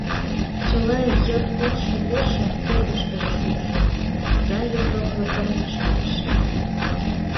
Чыла йыр улшо вочшым кӧргышкыжӧ шупшо да йокроклыкым шарыш.